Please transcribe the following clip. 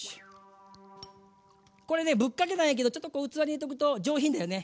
これねぶっかけないけどちょっとこう器に入れとくと上品だよね。